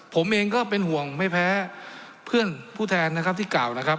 ผมเองก็เป็นห่วงไม่แพ้เพื่อนผู้แทนนะครับที่กล่าวนะครับ